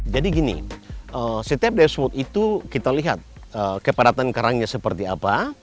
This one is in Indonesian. jadi gini setiap dive spot itu kita lihat kepadatan karangnya seperti apa